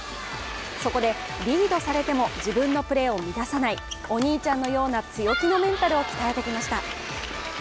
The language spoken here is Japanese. そこで、リードされても自分のプレーを乱さない、お兄ちゃんのような強気のメンタルを鍛えてきました。